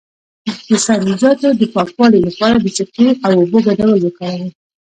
د سبزیجاتو د پاکوالي لپاره د سرکې او اوبو ګډول وکاروئ